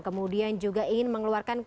kemudian juga ingin mengeluarkan